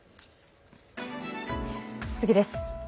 次です。